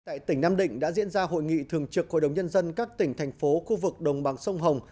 tại tỉnh nam định đã diễn ra hội nghị thường trực hội đồng nhân dân các tỉnh thành phố khu vực đồng bằng sông hồng